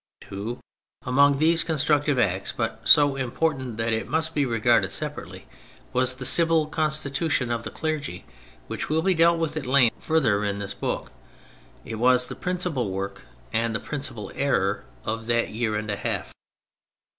2. Among these constructive acts, but so important that it must be regarded separately, was the Civil Constitution of the Clergy, which will be dealt with at length further in this book; it v/as the principal work (and the principal error) of that year and a half, 3.